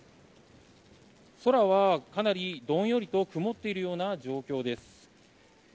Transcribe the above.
空は、かなりどんよりと曇っているような状況です。